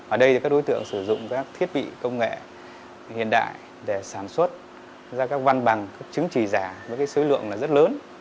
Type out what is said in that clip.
ở đây thì các đối tượng sử dụng các thiết bị công nghệ hiện đại để sản xuất ra các văn bằng các chứng trì giả với cái số lượng là rất lớn